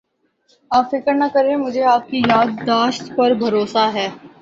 آپ فکر نہ کریں مجھے آپ کی یاد داشت پر بھروسہ ہے